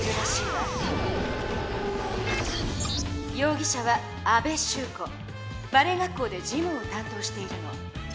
ようぎ者はバレエ学校で事務をたん当しているの。